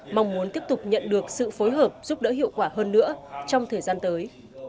mong muốn tiếp tục nhận được sự phối hợp giúp đỡ hiệu quả hơn nữa trong thời gian tới